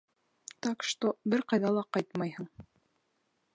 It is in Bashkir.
Так что бер ҡайҙа ла ҡайтмайһың!